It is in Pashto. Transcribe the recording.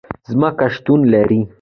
ځمکه شتون لري